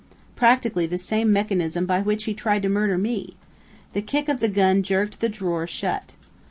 Practically the same mechanism by which he tried to murder me.... The kick of the gun jerked the drawer shut.